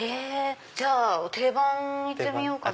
じゃあ定番行ってみようかな。